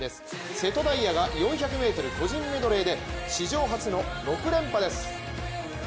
瀬戸大也が４００ｍ個人メドレーで史上初の６連覇です。